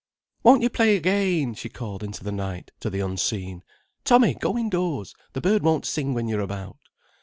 "Won't you play again?" she called into the night, to the unseen. "Tommy, go indoors, the bird won't sing when you're about."